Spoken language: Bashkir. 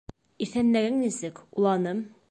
Иҫәнлегең нисек, уланым?